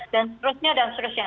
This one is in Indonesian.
dan seterusnya dan seterusnya